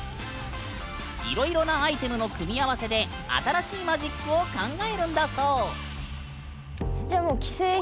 いろいろなアイテムの組み合わせで新しいマジックを考えるんだそう。